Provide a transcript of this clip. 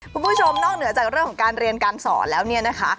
คุณผู้ชมนอกเหนือจากเรื่องของการเรียนการสอนแล้วเนี่ยนะคะ